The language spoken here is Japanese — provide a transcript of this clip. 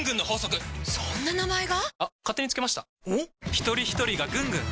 ひとりひとりがぐんぐん！